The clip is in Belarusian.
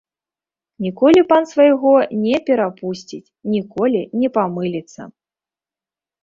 Ніколі пан свайго не перапусціць, ніколі не памыліцца.